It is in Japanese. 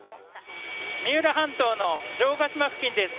三浦半島の城ヶ島付近です。